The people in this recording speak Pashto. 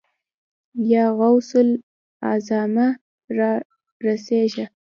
يا غوث الاعظمه! را رسېږه.